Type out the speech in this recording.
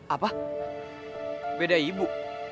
apa beda ibu